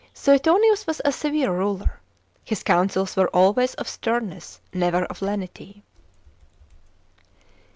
§ 12. Suetonius was a severe ruler ; his counsels were always of sternness, never of lenity.